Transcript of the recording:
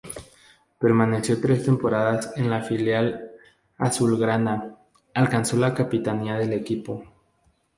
Permaneció tres temporadas en el filial azulgrana, alcanzando la capitanía del equipo.